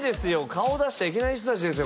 顔出しちゃいけない人達ですよ